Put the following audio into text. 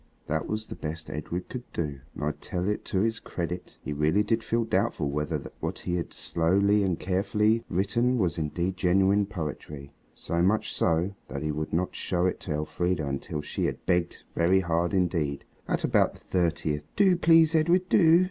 That was the best Edred could do, and I tell it to his credit, he really did feel doubtful whether what he had so slowly and carefully written was indeed genuine poetry. So much so, that he would not show it to Elfrida until she had begged very hard indeed. At about the thirtieth "Do, please! Edred, do!"